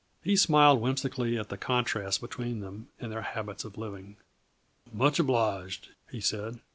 He smiled whimsically at the contrast between them and their habits of living. "Much obliged," he said.